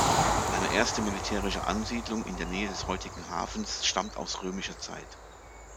Eine erste militärische Ansiedlung in der Nähe des heutigen Hafens stammt aus römischer Zeit.